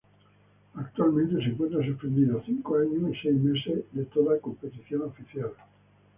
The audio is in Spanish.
Actualmente se encuentra suspendido cinco años y seis meses de toda competición oficial.